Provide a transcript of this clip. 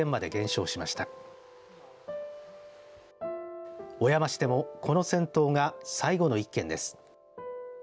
小山市でもこの銭湯が最後の１軒です。